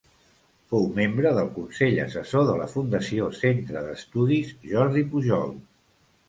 Fou membre del consell assessor de la Fundació Centre d'Estudis Jordi Pujol.